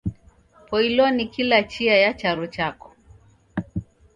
Poilwa ni kila chia ya charo chako.